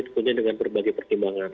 terkunci dengan berbagai pertimbangan